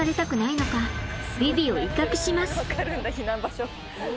分かるんだ避難場所。